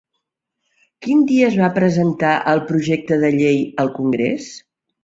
Quin dia es va presentar el projecte de llei al Congrés?